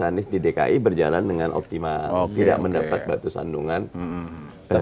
anies di dki berjalan dengan optimal tidak mendapat batu sandungan